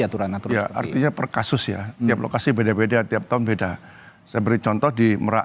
aturan aturan artinya per kasus ya tiap lokasi beda beda tiap tahun beda saya beri contoh di merak